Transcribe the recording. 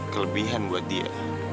kelebihan buat dia